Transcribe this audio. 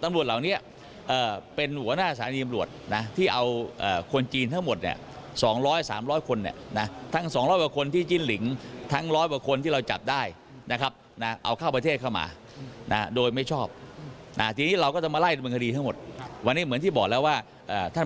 อ้าวแล้วเวลาคุณชุวิต